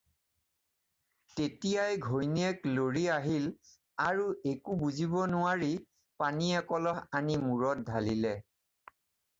তেতিয়াই ঘৈণীয়েক লৰি আহিল আৰু একো বুজিব নোৱাৰি পানী একলহ আনি মূৰত ঢালিলে।